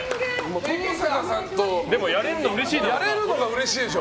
登坂さんとやれるのがうれしいでしょ。